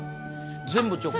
全部チョコ？